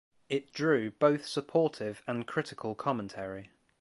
It drew both supportive and critical commentary.